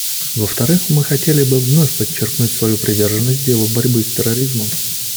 Во-вторых, мы хотели бы вновь подчеркнуть свою приверженность делу борьбы с терроризмом.